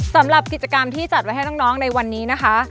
สำหรับกิจกรรมที่จัดไว้ให้น้องในวันนี้นะคะ